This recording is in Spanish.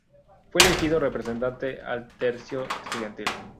Fue elegido representante al tercio estudiantil.